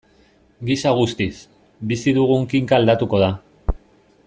Gisa guztiz, bizi dugun kinka aldatuko da.